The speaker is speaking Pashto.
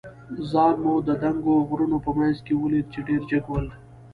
ځان مو د دنګو غرونو په منځ کې ولید، چې ډېر جګ ول.